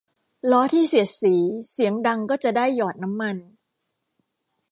ล้อที่เสียดสีเสียงดังก็จะได้หยอดน้ำมัน